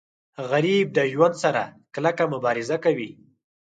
غریب د ژوند سره کلکه مبارزه کوي